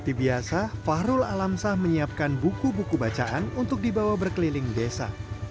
seperti biasa fahrul alamsah menyiapkan buku buku bacaan untuk dibawa berkeliling desa